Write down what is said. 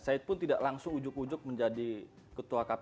saya pun tidak langsung ujug ujug menjadi ketua kpp